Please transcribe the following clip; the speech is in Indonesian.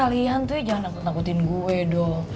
tentunya jangan takut takutin gue dong